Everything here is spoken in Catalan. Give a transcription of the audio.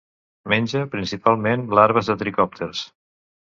Menja principalment larves de tricòpters.